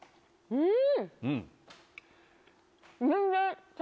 うん！